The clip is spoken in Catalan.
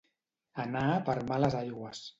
Anar per males aigües.